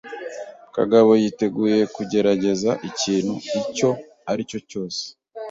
Kagabo yiteguye kugerageza ikintu icyo aricyo cyose.